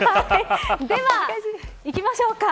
では、いきましょうか。